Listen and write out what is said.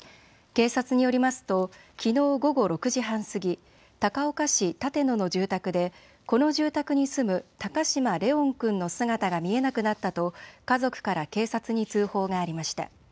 警察によりますときのう午後６時半過ぎ、高岡市立野の住宅でこの住宅に住む高嶋怜音君の姿が見えなくなったと家族から警察に通報がありました。